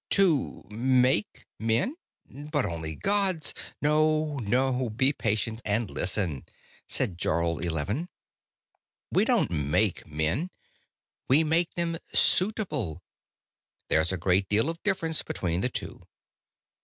"To make men? But only gods " "No, no. Be patient and listen," said Jarl Eleven. "We don't make men. We make them suitable. There's a great deal of difference between the two.